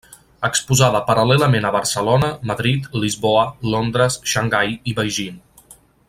Exposada Paral·lelament a Barcelona, Madrid, Lisboa, Londres, Xangai i Beijing.